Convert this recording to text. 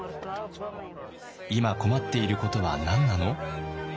「今困っていることは何なの？」。